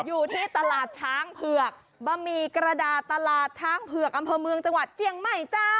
อยู่ที่ตลาดช้างเผือกบะหมี่กระดาษตลาดช้างเผือกอำเภอเมืองจังหวัดเจียงใหม่จ้า